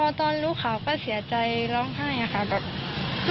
พ่อตอนรู้ข่าวก็เสียใจร้องไห้อะค่ะ